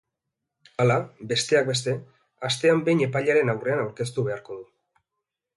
Hala, besteak beste, astean behin epailearen aurrean aurkeztu beharko du.